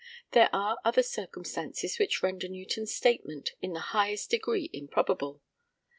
There are other circumstances which render Newton's statement in the highest degree improbable.